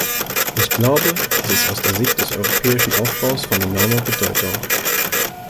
Ich glaube, das ist aus der Sicht des europäischen Aufbaus von enormer Bedeutung.